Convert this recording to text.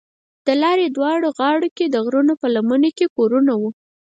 د لارې دواړو غاړو ته د غرونو په لمنو کې کورونه وو.